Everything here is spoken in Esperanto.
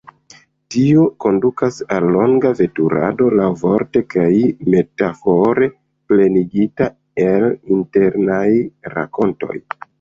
Tio kondukas al longa veturado, laŭvorte kaj metafore, plenigita el internaj rakontoj.